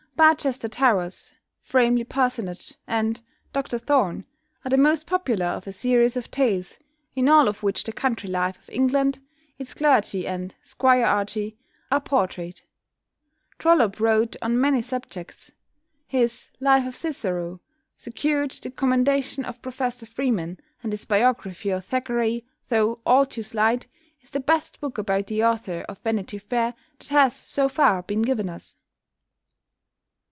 "Barchester Towers," "Framley Parsonage," and "Dr Thorne," are the most popular of a series of tales, in all of which the country life of England, its clergy and squirearchy, are portrayed. Trollope wrote on many subjects. His "Life of Cicero" secured the commendation of Professor Freeman, and his biography of Thackeray, though all too slight, is the best book about the author of "Vanity Fair" that has so far been given us.